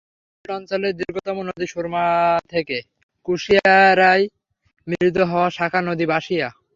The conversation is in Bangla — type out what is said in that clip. সিলেট অঞ্চলের দীর্ঘতম নদী সুরমা থেকে কুশিয়ারায় মিলিত হওয়া শাখা নদী বাসিয়া।